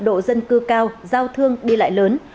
độ dân cư cao giao thương đi lại lớn